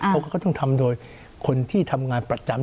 เขาก็ต้องทำโดยคนที่ทำงานประจำ